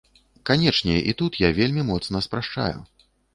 Канечне, і тут я вельмі моцна спрашчаю.